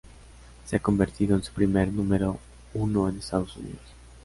Se ha convertido en su primer número uno en Estados Unidos.